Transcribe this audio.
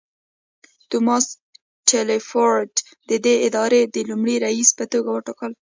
توماس ټیلفورډ ددې ادارې د لومړني رییس په توګه وټاکل.